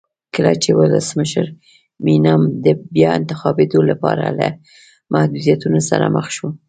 کله چې ولسمشر مینم د بیا انتخابېدو لپاره له محدودیتونو سره مخ شو.